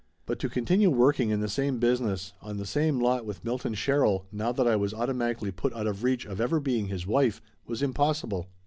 But to continue working in the same business, on the same lot with Milton Sherrill now that I was automatically put out of reach of ever being his wife, was impossible.